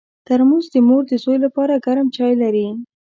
ترموز د مور د زوی لپاره ګرم چای لري.